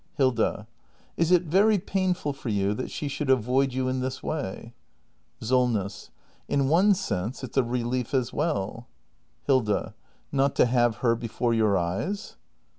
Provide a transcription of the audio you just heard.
Hilda. Is it very painful for you that she should avoid you in this way ? Solness. In one sense, it's a relief as well. Hilda. Not to have her before your eyes